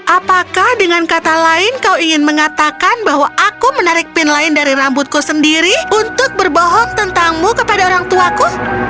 apakah dengan kata lain kau ingin mengatakan bahwa aku menarik pin lain dari rambutku sendiri untuk berbohong tentangmu kepada orang tuaku